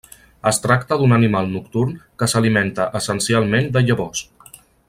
Es tracta d'un animal nocturn que s'alimenta essencialment de llavors.